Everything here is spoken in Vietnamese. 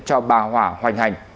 cho bà hỏa hoành hành